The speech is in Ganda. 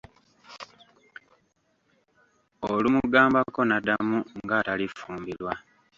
Olumugambako n'addamu ng’atalifumbirwa.